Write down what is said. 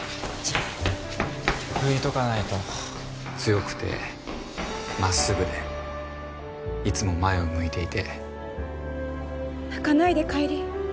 拭いとかないと強くてまっすぐでいつも前を向いていて泣かないで浬